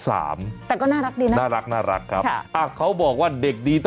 อ้าวนี่ความสนแบบคูณ๓คนนี้